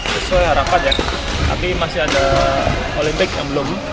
sesuai harapan ya tapi masih ada olimpik yang belum